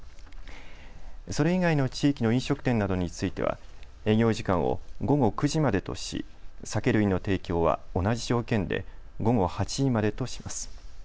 それ以外の地域の飲食店などについては営業時間を午後９時までとし、酒類の提供は同じ条件で午後８時までとします。